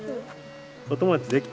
お友達できた？